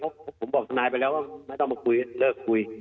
เพราะผมบอกทนายไปแล้วว่าไม่ต้องมาคุยเลิกคุย